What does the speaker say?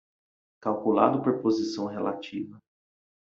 Calculado por posição relativa